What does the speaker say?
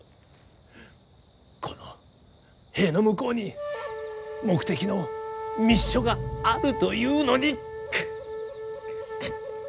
この塀の向こうに目的の密書があるというのに！